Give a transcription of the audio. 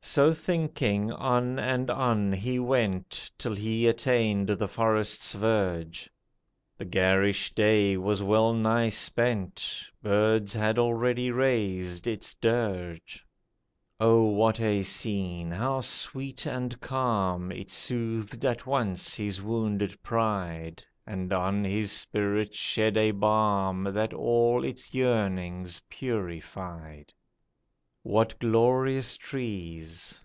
So thinking, on and on he went, Till he attained the forest's verge, The garish day was well nigh spent, Birds had already raised its dirge. Oh what a scene! How sweet and calm! It soothed at once his wounded pride, And on his spirit shed a balm That all its yearnings purified. What glorious trees!